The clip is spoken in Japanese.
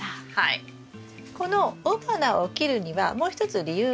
この雄花を切るにはもう一つ理由があります。